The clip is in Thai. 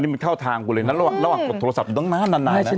ไปตามกลับไปเอา